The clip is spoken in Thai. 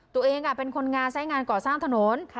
ตัวเองเป็นคนงานสายงานก่อสร้างถนน